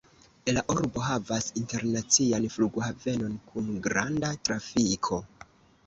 La urbo havas internacian flughavenon kun granda trafiko.